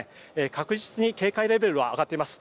確実に警戒レベルは上がっています。